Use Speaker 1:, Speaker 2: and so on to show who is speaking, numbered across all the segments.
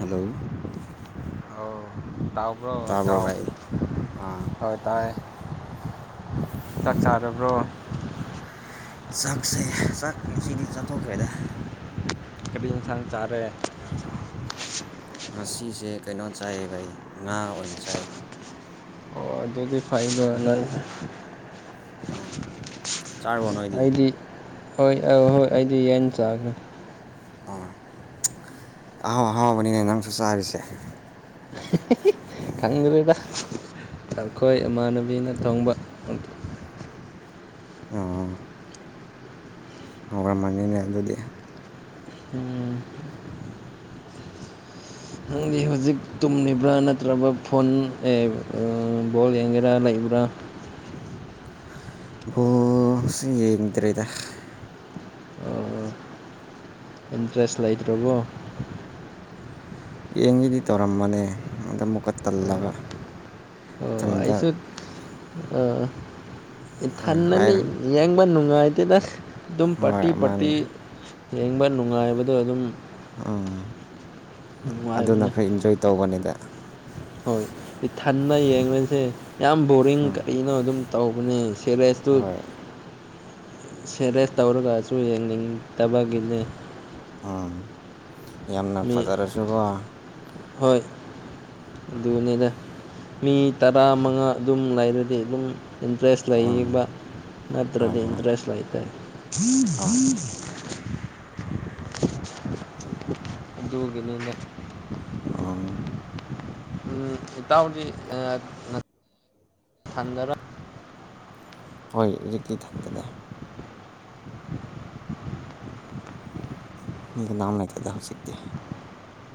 Speaker 1: Hello
Speaker 2: ꯑꯧ ꯇꯥꯕ꯭ꯔꯣ ꯏꯇꯥꯎ
Speaker 1: ꯑꯥ
Speaker 2: ꯍꯣꯏ ꯇꯥꯏ ꯆꯥꯛ ꯆꯥꯔꯕ꯭ꯔꯣ
Speaker 1: ꯆꯥꯛꯁꯦ ꯆꯥꯛ ꯉꯁꯤꯗꯤ ꯆꯥꯊꯣꯛꯈ꯭ꯔꯦꯗ
Speaker 2: ꯀ [unintelligible] ꯏꯟꯁꯥꯡ ꯆꯥꯔꯦ
Speaker 1: ꯉꯁꯤꯁꯦ ꯀꯩꯅꯣ ꯆꯥꯥꯏꯕ ꯑꯩ ꯉꯥ ꯑꯣꯏꯅ ꯆꯥꯏ
Speaker 2: ꯑꯣ ꯑꯗꯨꯗꯤ ꯐꯩꯗ‌ꯣ ꯅꯪ
Speaker 1: ꯆꯥꯔꯕꯣ ꯅꯣꯏꯗꯤ
Speaker 2: ꯑꯩꯗꯤ ꯍꯣꯏ ꯑ ꯍꯣꯏ ꯑꯩꯗꯤ ꯌ‌ꯦꯟ ꯆꯥꯈ꯭ꯔꯦ
Speaker 1: ꯑꯣ ꯑꯍꯥꯎ ꯑꯍꯥꯎꯕꯅꯤꯅꯦ ꯅꯪꯁꯨ ꯆꯥꯔꯤꯁꯦ
Speaker 2: ꯈꯪꯗ꯭ꯔꯦꯗ ꯑꯈꯣꯏ ꯏꯃꯥꯟꯅꯕꯤꯅ ꯊꯣꯡꯕ [unintelligible]
Speaker 1: ꯑꯥ ꯉꯧꯔꯝꯃꯅꯤꯅꯦ ꯑꯗꯨꯗꯤ
Speaker 2: ꯎꯝ
Speaker 1: [unintelligible]
Speaker 2: ꯅꯪꯗꯤ ꯍꯧꯖꯤꯛ ꯇꯨꯝꯂꯤꯕ꯭ꯔꯥ ꯅꯠꯇ꯭ꯔꯒ ꯐꯣꯟ ꯑ° ꯕꯣꯜ ꯌꯦꯡꯉꯤꯔꯥ ꯂꯩꯕ꯭ꯔꯥ
Speaker 1: ꯕꫭꯟꯁ° ꯌꯦꯡꯗ꯭ꯔꯦꯗ
Speaker 2: ꯏꯟꯇ꯭ꯔꯦꯁ ꯂꯩꯇ꯭ꯔꯕꯣ꯫
Speaker 1: ꯌꯦꯡꯒ°ꯗꯤ ꯇꯧꯔꯝꯕꯅꯦ ꯑꯗꯥ ꯑꯃꯨꯛꯀ ꯇꯜꯂꯕ
Speaker 2: ꯑꯣ
Speaker 1: ꯏꯊꯟꯇ
Speaker 2: ꯑꯩꯁꯨ ꯏꯊꯟꯗꯅꯤ꯫
Speaker 1: ꯍꯥꯏꯔꯣ
Speaker 2: ꯌꯦꯡꯕ ꯅꯨꯡꯉꯥꯏꯇꯦꯗ ꯑꯗꯨꯝ
Speaker 1: ꯍꯣꯏ
Speaker 2: ꯄꯥꯔꯇꯤ ꯄꯥꯔꯇꯤ
Speaker 1: ꯃꯥꯅꯦ
Speaker 2: ꯌꯦꯡꯕ ꯅꯨꯡꯉꯥꯏꯕꯗꯣ ꯑꯗꯨꯝ
Speaker 1: ꯎꯝ ꯑꯗꯨꯅ
Speaker 2: ꯅꯨꯡꯉꯥꯏꯕꯅꯦ
Speaker 1: ꯈꯥꯔ ꯏꯟꯖꯣꯏ ꯇꯧꯕꯅꯤꯗ꯫
Speaker 2: ꯍꯣꯏ ꯏꯊꯟꯕ ꯌꯦꯡꯕꯁꯦ ꯌꯥꯝ ꯕꯣꯔꯤꯡ ꯀꯔꯤꯅꯣ ꯑꯗꯨꯝ ꯇꯧꯕꯅꯦ꯫ ꯁꯦꯔꯦꯁꯇꯨꯠ
Speaker 1: ꯍꯣꯏ
Speaker 2: ꯁꯦꯔꯦꯁ ꯇꯧꯔꯒꯁꯨ ꯌꯦꯡꯅꯤꯡꯗꯕꯒꯤꯅꯦ
Speaker 1: ꯎꯝ ꯌꯥꯝꯅ
Speaker 2: ꯃꯤ
Speaker 1: ꯐꯥꯖꯔꯁꯨꯀꯣ
Speaker 2: ꯍꯣꯏ ꯑꯗꯨꯅꯤꯗ ꯃꯤ ꯇꯔꯥ ꯃꯉꯥ ꯑꯗꯨꯝ ꯂꯩꯔꯗꯤ ꯑꯗꯨꯝ ꯏꯟꯇꯔꯦꯁ
Speaker 1: ꯎꯝ
Speaker 2: ꯂꯩꯕ
Speaker 1: ꯍꯣꯏ
Speaker 2: ꯅꯠꯇ꯭ꯔꯗꯤ
Speaker 1: ꯍꯣꯏ
Speaker 2: ꯏꯟꯇꯔꯦꯁ ꯂꯩꯇ°
Speaker 1: ꯍꯣꯏ
Speaker 2: ꯑꯗꯨꯒꯤꯅꯤꯗꯥ
Speaker 1: ꯑꯥꯎ
Speaker 2: ꯑꯥ ꯏꯇꯥꯎꯗꯤ [inaudible] ꯊꯗꯔ
Speaker 1: ꯍꯣꯏ ꯍꯧꯖꯤꯛꯇꯤ ꯏꯊꯟꯗꯅꯦ ꯃꯤ ꯀꯅꯥꯝ ꯂꯩꯇꯦꯗ ꯍꯧꯖꯤꯛꯇꯤ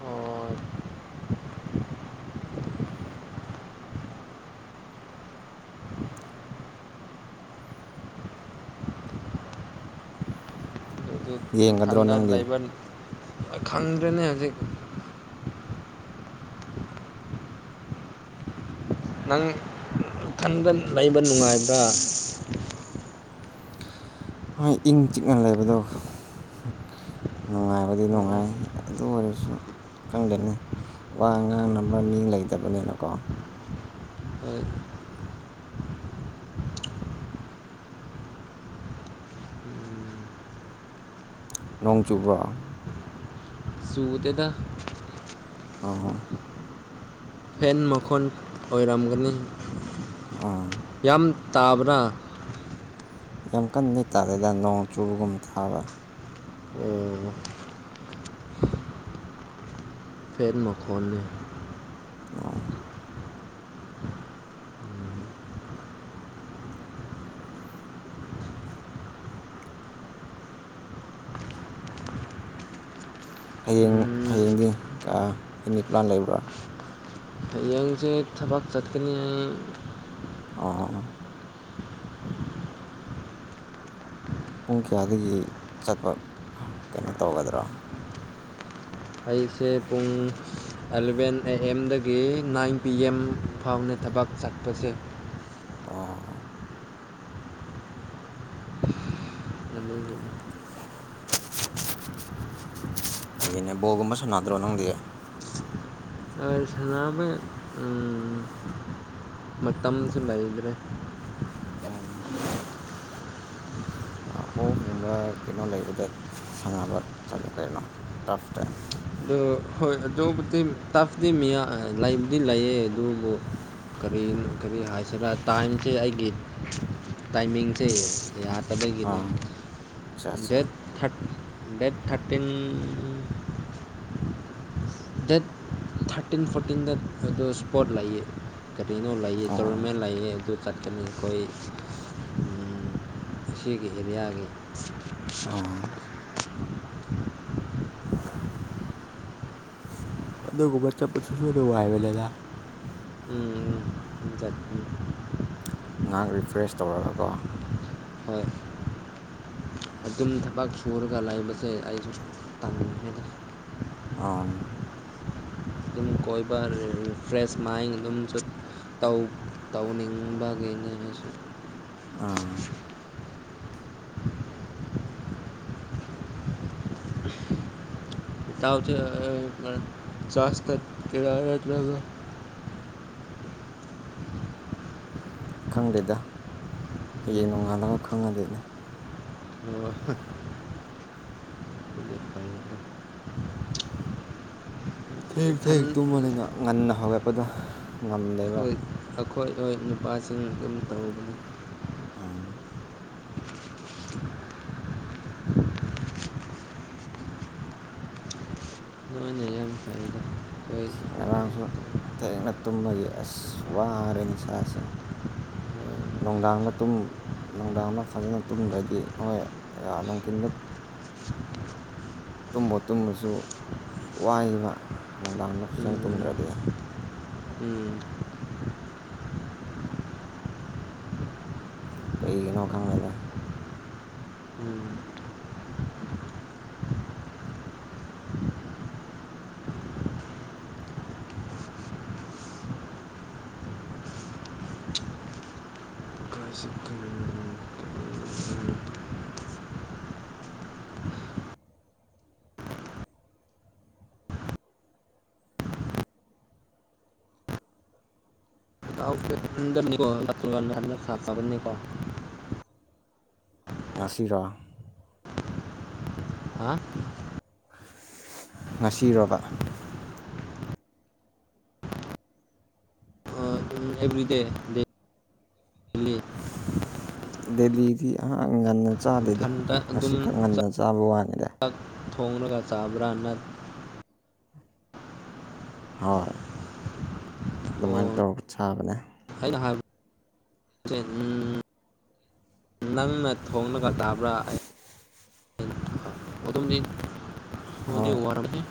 Speaker 2: ꯑꯣ ꯑꯗꯨꯗꯤ
Speaker 1: ꯌꯦꯡꯒꯗ꯭ꯔꯣ
Speaker 2: ꯏꯊꯟꯗ
Speaker 1: ꯅꯪꯗꯤ
Speaker 2: ꯂꯩꯕ ꯈꯪꯗ꯭ꯔꯦꯅꯦ ꯍꯧꯖꯤꯛ ꯅꯪ ꯅꯊꯟꯕ ꯂꯩꯕ ꯅꯨꯡꯉꯥꯏꯕ꯭ꯔꯥ
Speaker 1: ꯍꯣꯏ ꯏꯪ ꯆꯤꯛꯅ ꯂꯩꯕꯗꯣ ꯅꯨꯡꯉꯥꯏꯕꯗꯤ
Speaker 2: ꯑꯣ ꯑꯣ
Speaker 1: ꯅꯨꯡꯉꯥꯏ ꯑꯗꯨ ꯑꯣꯏꯔꯁꯨ ꯈꯪꯗꯦꯅꯦ ꯋꯥ ꯉꯥꯡꯅꯕ ꯃꯤ ꯂꯩꯇꯕꯅꯤꯅꯀꯣ
Speaker 2: ꯍꯣꯏ
Speaker 1: ꯅꯣꯡ ꯆꯨꯕ꯭ꯔꯣ
Speaker 2: ꯆꯨꯗꯦꯗꯥ
Speaker 1: ꯑꫭ
Speaker 2: ꯐꯦꯟ ꯃꯥꯈꯣꯟ ꯑꯣꯏꯔꯝꯒꯅꯤ
Speaker 1: ꯑꯣ
Speaker 2: ꯌꯥꯝ ꯇꯥꯕ꯭ꯔꯥ
Speaker 1: ꯌꯥꯝ ꯀꯟꯅꯗꯤ ꯇꯥꯗꯦꯗ ꯅꯣꯡ ꯆꯨꯕꯒꯨꯝ ꯇꯥꯕ
Speaker 2: ꯑꯣ ꯐꯦꯟ ꯃꯈꯣꯟꯅꯤ
Speaker 1: ꯑꯣ ꯍꯌꯦꯡ ꯍꯌꯦꯡꯗꯤ ꯀꯥ ꯍꯌ°ꯡꯒꯤ ꯄ꯭ꯂꯥꯟ ꯂꯩꯕ꯭ꯔꯥ
Speaker 2: ꯍꯌꯦꯡꯁꯦ ꯊꯕꯛ ꯆꯠꯀꯅꯤ ꯑꯩ
Speaker 1: ꯑꯣ ꯄꯨꯡ ꯀꯌꯥꯗꯒꯤ ꯆꯠꯄ ꯀꯩꯅꯣ ꯇꯧꯒꯗ꯭ꯔꯥ
Speaker 2: ꯑꯩꯁꯦ ꯄꯨꯡ ꯑꯦꯂꯚꯦꯟ ꯑꯦ ꯑꯦꯝꯗꯒꯤ ꯅꯥꯏꯟ ꯄꯤ ꯑꯦꯝ ꯐꯥꯎꯅꯦ ꯊꯕꯛ ꯆꯠꯄꯁꯦ꯫
Speaker 1: ꯑꯣ__
Speaker 2: [unintelligible]
Speaker 1: unintelligible ꯕꯣꯜꯒꯨꯝꯕ ꯁꯥꯟꯅꯗ꯭ꯔꯣ ꯅꯪꯗꯤ꯫
Speaker 2: ꯍꯥꯟꯅ ꯁꯥꯟꯅꯔꯝꯃꯦ ꯃꯇꯝꯁꯨ ꯂꯩꯥꯏꯗ꯭ꯔꯦ
Speaker 1: ꯎꯝ
Speaker 2: [inaudible]
Speaker 1: ꯑꯣꯐꯒꯨꯝꯕ ꯀꯩꯅꯣ ꯂꯩꯕꯗ ꯁꯥꯟꯅꯕ ꯆꯠꯂꯨ ꯀꯩꯅꯣ ꯇꯞꯇ
Speaker 2: ꯑꯗꯨ ꯍꯣꯏ ꯑꯗꯨꯕꯨꯗꯤ ꯇꯐꯇꯤ ꯃꯤ ꯂꯩꯕꯨꯗꯤ ꯂꯩꯌꯦ ꯑꯗꯨꯕꯨ ꯀꯔꯤ ꯀꯔꯤ ꯍꯥꯏꯁꯤꯔ ꯇꯥꯏꯝꯁꯦ ꯑꯩꯒꯤ ꯇꯥꯏꯃꯤꯡꯁꯦ ꯌꯥ ꯑꯗꯨꯒꯤꯅꯤ
Speaker 1: ꯑꯥ ꯑꯠꯆꯥ ꯑꯠꯆꯥ
Speaker 2: date date thirteen date thirteen ꯐꯣꯔꯇꯤꯟꯗ ꯑꯗꯨ ꯏꯁꯄꯣꯔꯠ ꯂꯩꯌꯦ ꯀꯔꯤꯅꯣ ꯂꯩꯌꯦ
Speaker 1: ꯑꯣ
Speaker 2: ꯇꯣꯔꯅꯥꯃꯦꯟ ꯂꯩꯌꯦ ꯑꯗꯨ ꯆꯠꯀꯅꯤ ꯑꯩꯈꯣꯏ ꯑꯁꯤꯒꯤ ꯍꯦꯂꯤꯌꯥꯒꯤ
Speaker 1: ꯑꯣ ꯑꯗꯨꯒꯨꯝꯕ ꯆꯠꯄꯗꯨꯁꯨ ꯅꯨꯉꯥꯏꯕꯅꯤꯗ
Speaker 2: ꯆꯠꯅꯤ
Speaker 1: ꯉꯥꯏꯍꯥꯛ ꯔꯤꯐ꯭ꯔꯦꯁ ꯇꯧꯔꯒꯀꯣ
Speaker 2: ꯍꯣꯏ ꯑꯗꯨꯝ ꯊꯕꯛ ꯁꯨꯔꯒ ꯂꯩꯕꯁꯦ ꯑꯩꯁꯨ ꯇꯟꯕꯅꯤꯗ
Speaker 1: ꯑꯣ
Speaker 2: ꯏꯪꯈꯣꯜ ꯀꯣꯏꯕ ꯔꯤꯐ꯭ꯔꯦꯁ ꯃꯥꯏꯟ ꯑꯗꯨꯝ ꯆꯠ ꯇꯧ ꯇꯧꯅꯤꯡꯕꯒꯤꯅꯤꯅꯦ ꯑꯩꯁꯨ
Speaker 1: ꯑꯣ
Speaker 2: ꯏꯇꯥꯎ ꯆꯥ ꯆꯥꯁꯦ ꯈꯔ ꯊꯛꯀꯦꯔ ꯅꯠꯇ꯭ꯔꯒ
Speaker 1: ꯈꯪꯗꯦꯗ ꯍꯌꯦꯡ ꯅꯣꯡꯉꯥꯜꯂꯒ ꯈꯪꯉꯗꯣꯏꯅꯦ
Speaker 2: ꯑꯣ
Speaker 1: ꯊꯦꯡ ꯊꯦꯡꯅ ꯇꯨꯝꯕꯅꯤꯅ ꯉꯟꯅ ꯍꯧꯒꯠꯄꯗꯣ ꯉꯝꯗꯦꯕ
Speaker 2: ꯍꯣꯏ ꯑꯩꯈꯣꯏ ꯍꯣꯏ ꯅꯨꯄꯥꯁꯤꯡꯅ ꯑꯗꯨꯝ ꯇꯧꯕꯅꯦ
Speaker 1: ꯑꯥ
Speaker 2: UNINTELLIGIBLE
Speaker 1: ꯉꯔꯥꯡꯁꯨ ꯊꯦꯡꯅ ꯇꯨꯝꯕꯒꯤ ꯑꯁ ꯋꯥꯔꯦꯅꯦ ꯏꯁꯥꯁꯦ ꯅꯨꯡꯗꯥꯡꯅ ꯇꯨꯝ ꯅꯨꯡꯗꯥꯡꯗ ꯐꯖꯅ ꯇꯨꯝꯗ꯭ꯔꯗꯤ ꯍꯣꯏ ꯅꯨꯡꯊꯤꯟꯗ ꯇꯨꯝꯕꯨ ꯇꯨꯝꯂꯁꯨ ꯋꯥꯏꯕ ꯅꯨꯡꯗꯥꯡꯗ ꯐꯖꯅ
Speaker 2: ꯎꯝ
Speaker 1: ꯇꯨꯝꯗ꯭ꯔꯗꯤ
Speaker 2: ꯎꯝ
Speaker 1: ꯀꯩꯒꯤꯅꯣ ꯈꯪꯗꯦꯅꯦ
Speaker 2: UNINTELLIGIBLE ꯢꯇꯥꯎ ꯁꯤꯗ UNINTELLIGIBLE
Speaker 1: ꯉꯁꯤꯔꯣ
Speaker 2: ꯍꯥ
Speaker 1: ꯉꯁꯤꯔꯣꯕ
Speaker 2: ꯎꯝ ꯑꯦꯕ꯭ꯔꯤꯗꯦ ꯂꯦꯞ
Speaker 1: ꯗꯦꯜꯂꯤꯗꯤ ꯑꯥ ꯉꯟꯅ ꯆꯥꯗꯦꯗ
Speaker 2: ꯏꯊꯟꯇ
Speaker 1: ꯉꯁꯤ ꯈꯛ ꯉꯟꯅ ꯆꯥꯕ ꯋꯥꯅꯤꯗ
Speaker 2: ꯑꯛ ꯊꯣꯡꯔꯒ ꯆꯕ꯭ꯔꯥ ꯅꯠ__
Speaker 1: ꯍꯣꯏ
Speaker 2: ꯑꯣ
Speaker 1: ꯑꯗꯨꯃꯥꯏꯟ ꯇꯧꯔꯒ ꯆꯥꯕꯅꯦ
Speaker 2: ꯑꯩꯅ ꯍꯥꯏꯕꯠꯁꯦ ꯎꯝ ꯅꯪꯅ ꯊꯣꯡꯂꯒ ꯆꯥꯕ꯭ꯔꯥ ꯑꯩ [unintelligible] ꯑꯗꯨꯝꯗꯤ ꯋꯥꯗꯤ
Speaker 1: ꯍꯣꯏ
Speaker 2: ꯋꯥꯔꯝꯅꯤ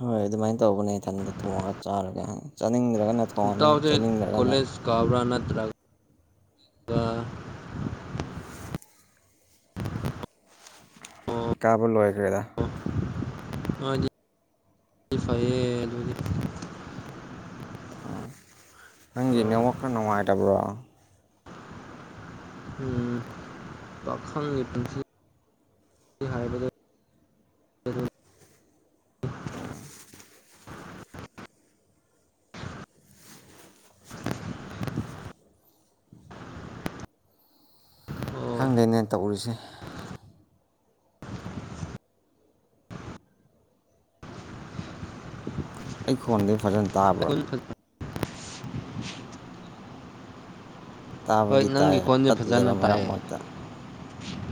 Speaker 1: ꯍꯣꯏ ꯑꯗꯨꯃꯥꯏꯟ ꯇꯧꯕꯅꯦ ꯏꯊꯟꯗ ꯊꯣꯡꯉ ꯆꯥꯔꯝꯅꯦ ꯑꯪ ꯆꯥꯅꯤꯡꯗ꯭ꯔꯒꯅ ꯊꯣꯡꯅꯤ ꯆꯥꯅꯤꯡꯗ꯭ꯔꯒꯅ__
Speaker 2: ꯀꯥꯕ꯭ꯔ ꯅꯠꯇ꯭ꯔ__ ꯒꯥ ꯑꯣ
Speaker 1: ꯀꯥꯕ ꯂꯣꯏꯈ꯭ꯔꯦꯗ
Speaker 2: ꯅꯣꯏꯗꯤ ꯐꯩꯌꯦ ꯑꯗꯨꯗꯤ
Speaker 1: ꯑꯥ ꯅꯪꯒꯤ ꯅꯦꯠꯋꯥꯛ ꯈꯔ ꯅꯨꯡꯉꯥꯏꯇꯕ꯭ꯔꯣ
Speaker 2: ꯎꯝ ꯄꯥꯈꯪꯒꯤ ꯄꯨꯟꯁꯤꯅꯤ ꯍꯥꯏꯕꯗ
Speaker 1: ꯑꯥ
Speaker 2: ꯑꯣ
Speaker 1: ꯈꯪꯗꯦꯅꯦ ꯇꯧꯔꯤꯁꯦ ꯑꯩ ꯈꯣꯟꯗꯤ ꯐꯖꯟ__
Speaker 2: ꯑꯈꯨꯜ ꯊꯛꯇ ꯍꯣꯏ
Speaker 1: ꯇꯥꯕꯨꯗꯤ ꯇꯥꯏ
Speaker 2: ꯅꯪꯒꯤ ꯈꯣꯟꯁꯦ ꯐꯖꯅ
Speaker 1: ꯇꯠꯂꯦꯕ ꯃꯔꯛ
Speaker 2: ꯇꯥꯏꯌꯦ
Speaker 1: ꯃꯔꯛꯇ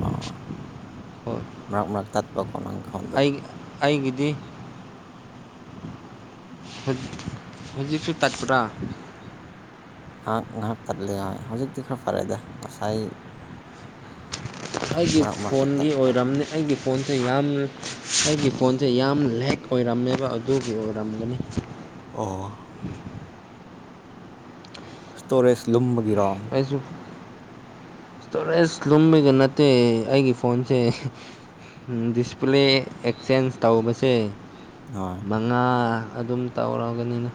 Speaker 1: ꯑꯣ
Speaker 2: ꯍꯣꯏ
Speaker 1: ꯃꯔꯛ ꯃꯔꯛ ꯇꯠꯄꯀꯣ ꯅꯪ ꯈꯣꯟꯗꯣ
Speaker 2: ꯑꯩ ꯑꯩꯒꯤꯗꯤ ꯍꯨꯠ ꯍꯨꯖꯤꯛ ꯇꯠꯄꯔꯥ
Speaker 1: ꯑꯥꯛ ꯉꯥꯍꯥꯛ ꯇꯠꯂꯦ ꯍꯥꯏ ꯍꯧꯖꯤꯛꯇꯤ ꯈꯔ ꯐꯔꯦꯗ ꯉꯁꯥꯏ
Speaker 2: ꯑꯩꯒꯤ
Speaker 1: ꯃꯔꯛ ꯃꯔꯛꯇ
Speaker 2: ꯐꯣꯟꯒꯤ
Speaker 1: ꯇꯠꯄ
Speaker 2: ꯑꯣꯏꯔꯝꯅꯤ ꯑꯩꯒꯤ ꯐꯣꯟꯁꯦ ꯌꯥꯝ ꯑꯩꯒꯤ ꯐꯣꯟꯁꯦ ꯌꯥꯝ ꯂꯦꯛ ꯑꯣꯏꯔꯝꯃꯦꯕ ꯑꯗꯨꯒꯤ ꯑꯣꯏꯔꯝꯒꯅꯤ
Speaker 1: ꯑꯣ ꯁ꯭ꯇꯣꯔꯦꯖ ꯂꯨꯝꯕꯒꯤꯔꯣ
Speaker 2: ꯏꯖꯨꯞ ꯏꯁꯇꯣꯔꯦꯖ ꯂꯨꯝꯕꯩꯒ ꯅꯠꯇꯦ ꯑꯩꯒꯤ ꯐꯣꯟꯁꯦ ꯗꯤꯁꯄ꯭ꯂꯦ ꯑꯦꯛꯆꯦꯟꯖ ꯇꯧꯕꯁꯦ
Speaker 1: ꯑꯣ
Speaker 2: ꯉꯥ ꯑꯗꯨꯝ ꯇꯧꯔꯒꯅꯤꯅ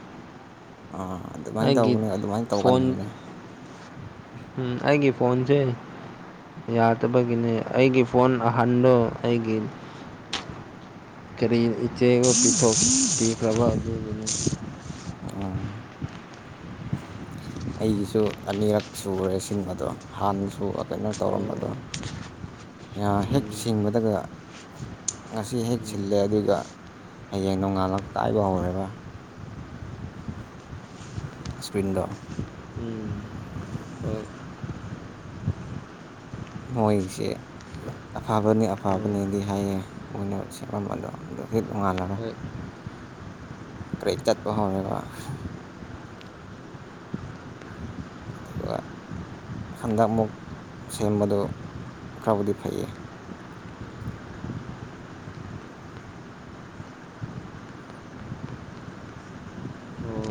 Speaker 1: ꯑꯥ ꯑꯗꯨꯃꯥꯏꯟ ꯇꯧꯕꯅꯦ ꯑꯗꯨꯃꯥꯏꯟ ꯇꯧꯒꯟꯕꯅꯦ
Speaker 2: ꯎꯝ ꯑꯩꯒꯤ ꯐꯣꯟꯁꯦ ꯌꯥꯗꯕꯒꯤꯅꯦ ꯑꯩꯒꯤ ꯐꯣꯟ ꯑꯍꯟꯗꯣ ꯑꯩꯒꯤ ꯀꯔꯤ ꯏꯆꯦꯕꯨ ꯄꯤꯊꯣꯛ ꯄꯤꯈ꯭ꯔꯕꯥ ꯑꯗꯨꯒꯤꯅꯦ
Speaker 1: ꯑꯥꯡ ꯑꯩꯒꯤꯁꯨ ꯑꯅꯤꯔꯛ ꯁꯨꯔꯦ ꯁꯤꯟ ꯑꯗꯣ ꯍꯥꯟꯅꯁꯨ ꯑꯥ ꯀꯩꯅꯣ
Speaker 2: ꯑꯣ
Speaker 1: ꯇꯧꯔꯝꯕꯗꯣ ꯌꯥꯝ ꯍꯦꯛ ꯁꯤꯡꯕꯗꯥꯒ ꯉꯁꯤ ꯍꯦꯛ ꯁꯤꯜꯂꯦ ꯑꯗꯨꯒ ꯍꯌꯦꯡ ꯅꯣꯡꯉꯥꯜꯂ ꯀꯥꯏꯕ ꯍꯧꯔꯦꯕ ꯏꯁ꯭ꯀ꯭ꯔꯤꯟꯗꯣ
Speaker 2: ꯎꯝ ꯍꯣꯏ
Speaker 1: ꯃꯣꯏꯒꯤꯁꯦ ꯑꯐꯕꯅꯦ
Speaker 2: ꯍꯣꯏ
Speaker 1: ꯑꯐꯕꯅꯦꯗꯤ ꯍꯥꯏꯌꯦ ꯃꯣꯏꯅ ꯁꯦꯃꯝꯕꯗꯣ ꯑꯗꯨ ꯍꯦꯛ ꯅꯣꯡꯉꯥꯜꯂꯒ
Speaker 2: ꯍꯣꯏ
Speaker 1: ꯀ꯭ꯔꯦꯛ ꯆꯠꯄ ꯍꯧꯔꯦꯕ ꯑꯗꯨꯒ ꯍꯟꯗꯛꯃꯨꯛ ꯁꯦꯝꯕꯗꯨ ꯈꯔꯕꯨꯗꯤ ꯐꯩꯌꯦ
Speaker 2: ꯑꯣ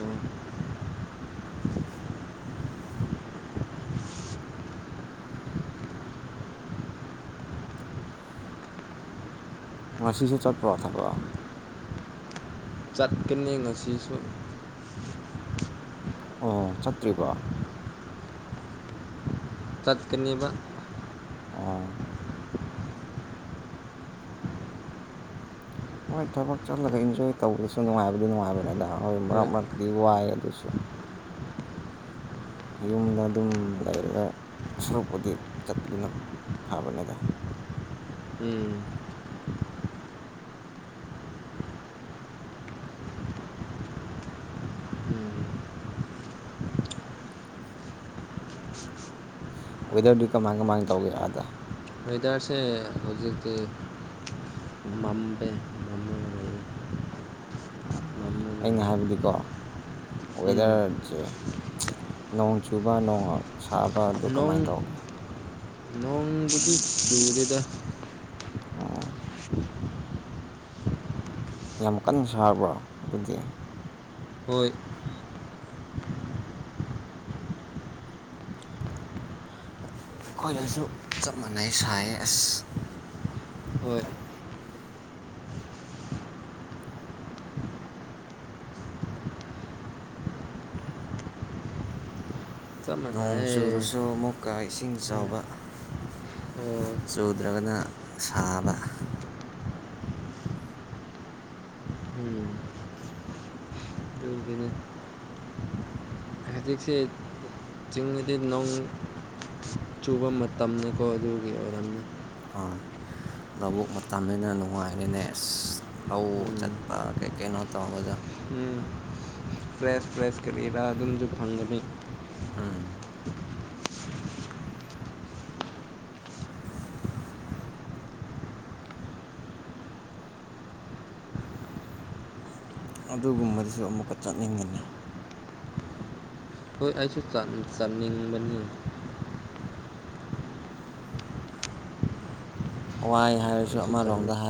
Speaker 1: ꯉꯁꯤꯁꯨ ꯆꯠꯄ꯭ꯔꯣ ꯊꯕꯛ
Speaker 2: ꯆꯠꯀꯅꯤ ꯉꯁꯤꯁꯨ
Speaker 1: ꯑꯣ ꯆꯠꯇ꯭ꯔꯤꯕꯣ
Speaker 2: ꯇꯠꯀꯅꯤꯕ
Speaker 1: ꯑꯣ ꯍꯣꯏ ꯊꯕꯛ ꯆꯠꯂꯒ ꯏꯟꯖꯣꯏ ꯇꯧꯕꯗꯁꯨ ꯅꯨꯡꯉꯥꯏꯕꯗꯤ ꯅꯨꯡꯉꯥꯏꯕꯅꯦꯗ ꯍꯣꯏ ꯃꯔꯛ ꯃꯔꯛꯇꯤ ꯋꯥꯏ ꯑꯗꯨꯁꯨ ꯌꯨꯝꯗ ꯑꯗꯨꯝ ꯂꯩꯔꯒ ꯁꯔꯨꯛꯄꯨꯗꯤ ꯆꯠꯄꯗꯨꯅ ꯐꯕꯅꯦꯗ
Speaker 2: ꯎꯝ ꯎꯝ [unintelligible]
Speaker 1: ꯋꯦꯗꯔꯗꯤ ꯀꯃꯥꯏ ꯀꯃꯥꯏꯅ ꯇꯧꯒꯦ ꯑꯥꯗ
Speaker 2: ꯋꯦꯗꯔꯁꯦ ꯍꯧꯖꯤꯛꯇꯤ ꯃꯝꯕꯦ
Speaker 1: ꯎꯝ ꯑꯩꯅ
Speaker 2: ꯂꯩꯌꯦ
Speaker 1: ꯍꯥꯏꯕꯗꯤꯀꯣ
Speaker 2: ꯎꯝ
Speaker 1: ꯋꯦꯗꯔꯁꯦ ꯅꯣꯡ ꯆꯨꯕ ꯅꯣꯡ ꯁꯥꯕ ꯑꯗꯨ
Speaker 2: ꯅꯣꯡ
Speaker 1: ꯀꯃꯥꯏꯅ ꯇꯧꯒꯦ
Speaker 2: ꯅꯣꯡꯕꯨꯗꯤ ꯆꯨꯗꯦꯗ [unintelligible]
Speaker 1: ꯌꯥꯝ ꯀꯟꯅ ꯁꯥꯕ꯭ꯔ ꯑꯗꯨꯗꯤ
Speaker 2: ꯍꯣꯏ
Speaker 1: ꯑꯩꯈꯣꯏꯅꯁꯨ ꯆꯞ ꯃꯥꯟꯅꯩ ꯁꯥꯏꯌꯦ ꯑꯁ
Speaker 2: ꯍꯣꯏ ꯆꯞꯅ
Speaker 1: ꯅꯣꯡ
Speaker 2: ꯇꯥꯏꯌꯦ
Speaker 1: ꯆꯨꯔꯨꯁꯨ ꯑꯃꯨꯛ ꯀꯥ ꯏꯁꯤꯡ ꯆꯥꯎꯕ
Speaker 2: ꯍꯣꯏ
Speaker 1: ꯆꯨꯗ꯭ꯔꯒꯅ ꯁꯥꯕ
Speaker 2: ꯎꯝꯅꯦ [unintelligible] ꯍꯖꯤꯛꯁꯦ ꯆꯤꯡꯗꯗꯤ ꯅꯣꯡ ꯆꯨꯕ ꯃꯇꯝꯅꯤꯀꯣ ꯑꯗꯨꯒꯤ ꯑꯣꯏꯔꯝꯅꯤ
Speaker 1: ꯍꯣꯏ ꯂꯕꯨꯛ ꯃꯇꯝꯅꯤꯅ ꯅꯨꯡꯉꯥꯏꯔꯦꯅꯦ ꯑꯁ ꯂꯧ
Speaker 2: ꯎꯝ
Speaker 1: ꯆꯠꯄ ꯀꯩ ꯀꯩꯅꯣ ꯇꯧꯕ ꯑꯣꯖꯥ
Speaker 2: ꯎꯝ ꯐ꯭ꯔꯦꯁ ꯐ꯭ꯔꯦꯁ ꯀꯔꯤꯔꯥ ꯑꯗꯨꯨꯝꯖꯨ ꯐꯪꯒꯅꯤ
Speaker 1: ꯎꯝ ꯑꯗꯨꯒꯨꯝꯕꯗꯨꯁꯨ ꯑꯃꯨꯛꯀ ꯆꯠꯅꯤꯡꯒꯅꯤ
Speaker 2: ꯍꯣꯏ ꯑꯩꯁꯨ ꯆꯥꯠ ꯆꯠꯅꯤꯡꯕꯅꯤ
Speaker 1: ꯋꯥꯏ ꯍꯥꯏꯔꯁꯨ
Speaker 2: ꯑꯩꯁꯨ ꯆꯥꯅꯤꯡ
Speaker 1: ꯑꯃꯔꯣꯝꯗ ꯍꯥꯏ